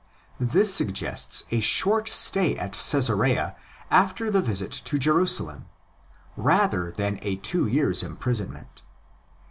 This sug gests a short stay at Cmsarea after the visit to Jerusalem, rather than a two years' imprisonment.